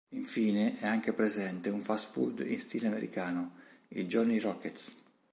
Infine, è anche presente un fast food in stile americano, il Johnny Rockets.